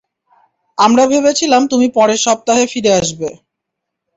আমরা ভেবেছিলাম তুমি পরের সপ্তাহে ফিরে আসবে।